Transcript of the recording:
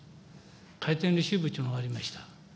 回転レシーブというのがありました。